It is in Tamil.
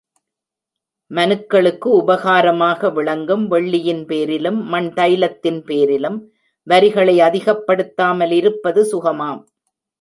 மனுக்களுக்கு உபகாரமாக விளங்கும் வெள்ளியின் பேரிலும் மண் தைலத்தின் பேரிலும் வரிகளை அதிகப்படுத்தாமலிருப்பது சுகமாம்.